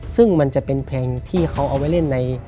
ซึ่งมันจะเป็นเพลงที่เขาเอาไว้เล่นใน